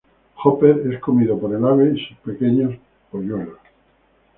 Hopper es comido por el ave y sus pequeños polluelos.